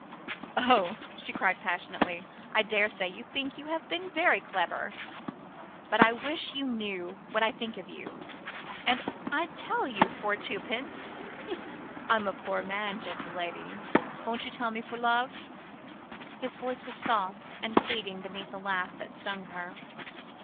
"Oh," she cried passionately, "I daresay you think you've been very clever. But I wish you knew what I think of you. And I'd tell you for twopence." "I'm a poor man, gentle lady won't you tell me for love?" His voice was soft and pleading beneath the laugh that stung her.